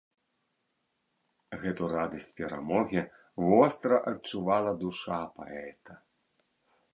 Гэту радасць перамогі востра адчувала душа паэта.